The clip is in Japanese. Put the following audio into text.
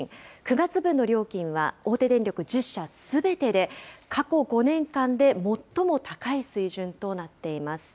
９月分の料金は大手電力１０社すべてで過去５年間で最も高い水準となっています。